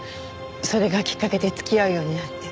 それがきっかけで付き合うようになって。